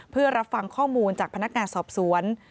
เพื่อรับฟังข้อมูลจากพนักงานสอบสวน